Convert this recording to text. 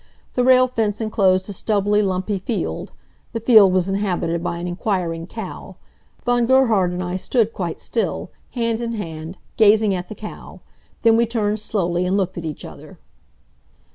The rail fence enclosed a stubbly, lumpy field. The field was inhabited by an inquiring cow. Von Gerhard and I stood quite still, hand in hand, gazing at the cow. Then we turned slowly and looked at each other.